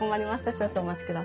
少々お待ちください。